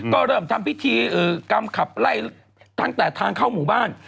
ก็เริ่มทำพิธีกรรมขับไล่ตั้งแต่ทางเข้าหมู่บ้าน